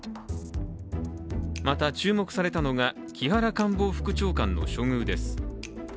また、注目されたのが木原官房副長官の処遇です。